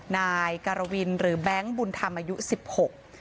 นายการวินหรือแบงค์บุญธรรมอายุสิบหก